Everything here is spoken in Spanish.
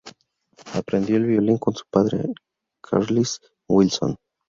Aprendió el violín con su padre, Carlisle Wilson.